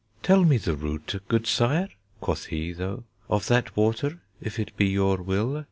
'Telle me the rootè, good sire,' quod he tho, Of that water, if it be yourè wille.'